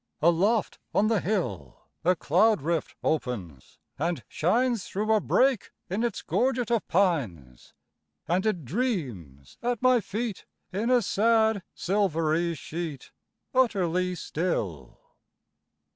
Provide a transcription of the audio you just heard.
Aloft on the hill, A cloudrift opens and shines Through a break in its gorget of pines, And it dreams at my feet In a sad, silvery sheet, Utterly still.